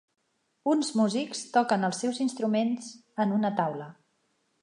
Uns musics toquen els seus instruments en una taula.